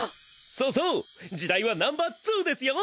そうそう時代はＮｏ．２ですよ！！